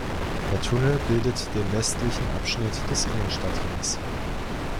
Der Tunnel bildet den westlichen Abschnitt des Innenstadtrings.